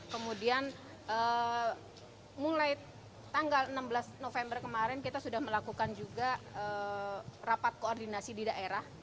kemudian mulai tanggal enam belas november kemarin kita sudah melakukan juga rapat koordinasi di daerah